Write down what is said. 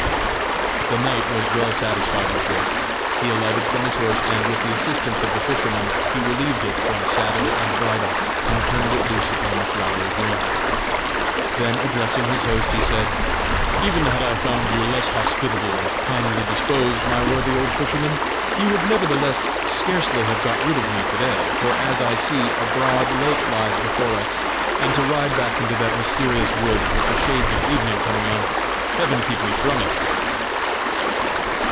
The knight was well satisfied with this; he alighted from his horse, and, with the assistance of the fisherman, he relieved it from saddle and bridle, and turned it loose upon the flowery green. Then addressing his host, he said: "Even had I found you less hospitable and kindly disposed, my worthy old fisherman, you would nevertheless scarcely have got rid of me to day, for, as I see, a broad lake lies before us, and to ride back into that mysterious wood, with the shades of evening coming on, heaven keep me from it!"